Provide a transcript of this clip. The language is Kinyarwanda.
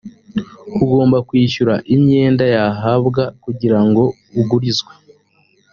ugomba kwishyura imyenda yahabwa kugira ngo ugurizwe